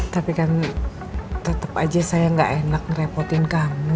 tapi kan tetap aja saya gak enak ngerepotin kamu